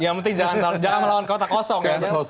yang penting jangan melawan kota kosong ya